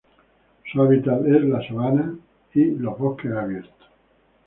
Su hábitat es la sabana y los bosques abiertos.